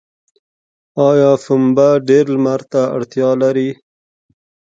آیا پنبه ډیر لمر ته اړتیا لري؟